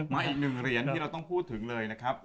อีกหนึ่งเหรียญที่เราต้องพูดถึงเลยนะครับ